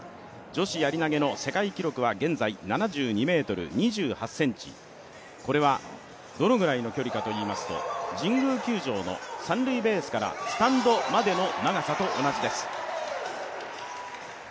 女子やり投の世界記録は現在７２ｍ２８ｃｍ、これはどのぐらいの距離かといいますと神宮球場の三塁ベースからスタンドまでの長さと同じです。